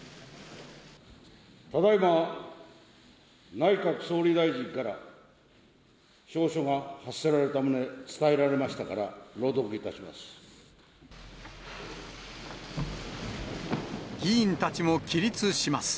ただいま内閣総理大臣から詔書が発せられた旨、伝えられまし議員たちも起立します。